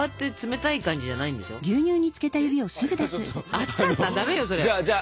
熱かったダメよそれ。